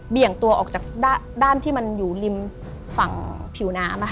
งตัวออกจากด้านที่มันอยู่ริมฝั่งผิวน้ำ